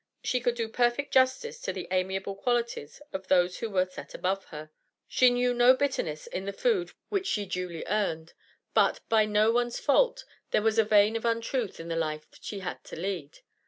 She could do perfect justice to the amiable qualities of those who were set above her; she knew no bitterness in the food which she duly earned; but, by no one's fault, there was a vein of untruth in the life she had to lead.